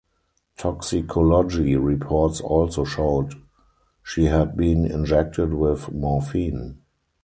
Toxicology reports also showed she had been injected with morphine.